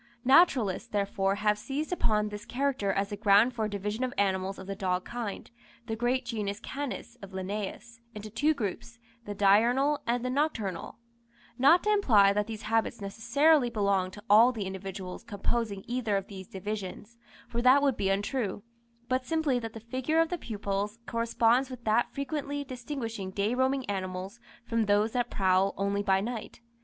Naturalists, therefore, have seized upon this character as the ground for a division of animals of the dog kind, the great genus Canis of Linnæus, into two groups, the diurnal and nocturnal; not to imply that these habits necessarily belong to all the individuals composing either of these divisions, for that would be untrue, but simply that the figure of the pupils corresponds with that frequently distinguishing day roaming animals from those that prowl only by night.